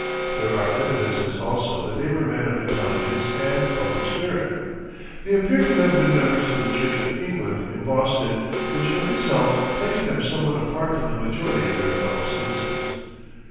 There are evidences also that they were men of intelligence and public spirit. They appear to have been members of the Church of England in Boston, which of itself placed them somewhat apart from the majority of their fellow citizens.